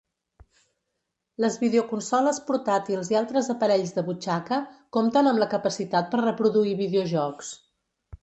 Les videoconsoles portàtils i altres aparells de butxaca compten amb la capacitat per reproduir videojocs.